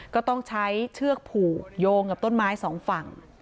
ก็ต้องใช้เชือกผูกโยงกับต้นไม้สองฝั่ง